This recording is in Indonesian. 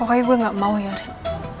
pokoknya gue gak mau ya rick